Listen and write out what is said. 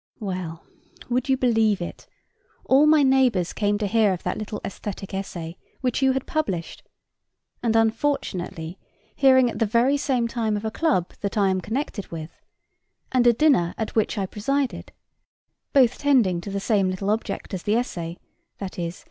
Well, would you believe it? all my neighbors came to hear of that little æsthetic essay which you had published; and, unfortunately, hearing at the very same time of a club that I as connected with, and a dinner at which I presided both tending to the same little object as the essay, viz.